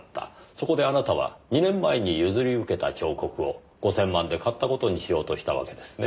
そこであなたは２年前に譲り受けた彫刻を５０００万で買った事にしようとしたわけですね。